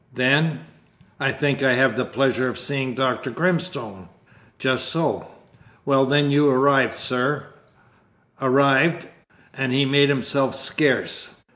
Then (I think I have the pleasure of seeing Dr. Grimstone? just so) well, then you, sir, arrived and he made himself scarce.